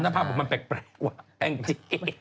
อ๋อน้าภาพบอกว่ามันแปลกว่ะแปลงดี